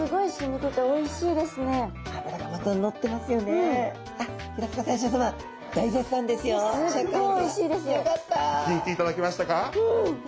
気に入っていただけましたか？